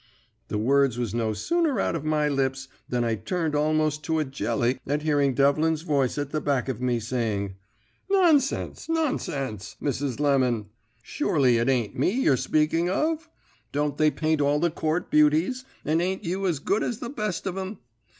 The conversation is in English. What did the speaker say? "The words was no sooner out of my lips than I turned almost to a jelly at hearing Devlin's voice at the back of me, saying, "'Nonsense, nonsense, Mrs. Lemon! Surely it ain't me you're speaking of? Don't they paint all the Court beauties, and ain't you as good as the best of them?